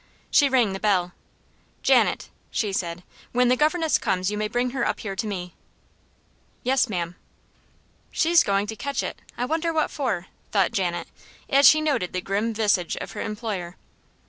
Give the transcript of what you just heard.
She rang the bell. "Janet," she said, "when the governess comes you may bring her up here to me." "Yes, ma'am." "She's going to catch it I wonder what for?" thought Janet, as she noted the grim visage of her employer.